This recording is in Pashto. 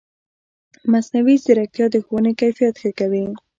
مصنوعي ځیرکتیا د ښوونې کیفیت ښه کوي.